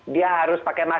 dia harus pakai masker